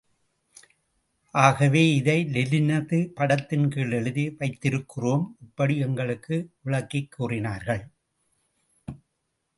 ஆகவே இதை லெனினது படத்தின் கீழ் எழுதி வைத்திருக்கிறோம். இப்படி எங்களுக்கு விளக்கிக் கூறினார்கள்.